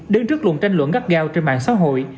đến trước luận tranh luận gắt gao trên mạng xã hội